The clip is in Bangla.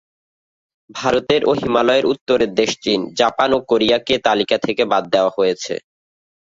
ভারতের ও হিমালয়ের উত্তরের দেশ চীন, জাপান ও কোরিয়াকে এ তালিকা থেকে বাদ দেওয়া হয়েছে।